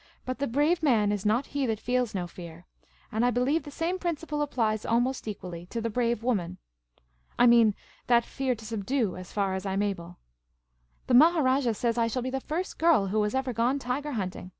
But ' the brave man is not he that feels no fear '; and I believe the same principle applies almost equally to the brave woman. I mean ' that fear to subdue ' as far as I am able. The Maharajah says I shall be the first girl who has ever gone tiger hunting.